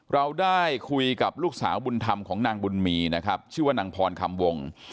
เราได้คุยกับลูกสาวบุญธรรมของนางบุญมีนะครับชื่อว่านางพรคำวง